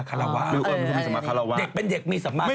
ชอบตรงนี้